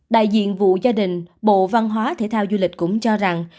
đại diện vụ gia đình bộ văn hóa thể thao du lịch cũng cho rằng